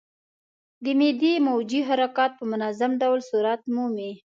د معدې موجې حرکات په منظم ډول صورت مومي.